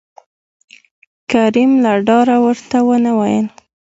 کريم له ډاره ورته ونه ويل